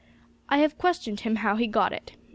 "I have questioned him how he got it.